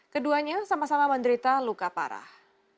keduanya sama sama menderita luka parah